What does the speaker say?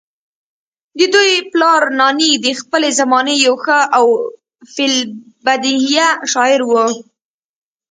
ددوي پلار نانے د خپلې زمانې يو ښۀ او في البديهه شاعر وو